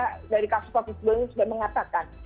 saya dari kpai sudah mengatakan